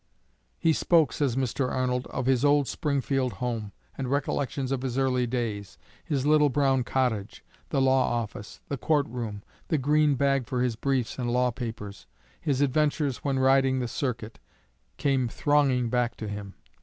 He spoke, says Mr. Arnold, "of his old Springfield home; and recollections of his early days, his little brown cottage, the law office, the court room, the green bag for his briefs and law papers, his adventures when riding the circuit, came thronging back to him.